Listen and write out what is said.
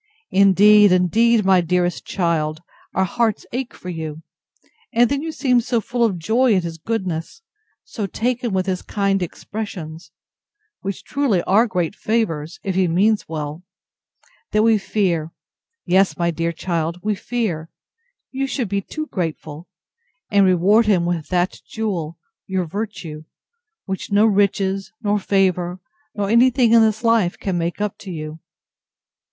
—Indeed, indeed, my dearest child, our hearts ache for you; and then you seem so full of joy at his goodness, so taken with his kind expressions, (which, truly, are very great favours, if he means well) that we fear—yes, my dear child, we fear—you should be too grateful,—and reward him with that jewel, your virtue, which no riches, nor favour, nor any thing in this life, can make up to you.